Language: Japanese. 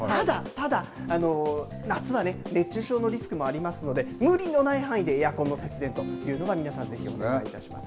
ただ、夏はね、熱中症のリスクもありますので、無理のない範囲でエアコンの節電というのが、ぜひ皆さん、お願いいたします。